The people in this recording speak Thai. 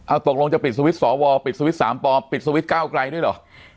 อ่ะตกลงจะปิดสวิตซ์สวปิดสวิตซ์สามปอปิดสวิตซ์เก้าไกรด้วยเหรอ